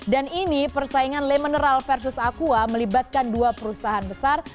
dan ini persaingan le mineral versus aqua melibatkan dua perusahaan besar